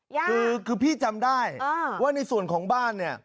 อย่าคือพี่จำได้ว่าในส่วนของบ้านเหลือ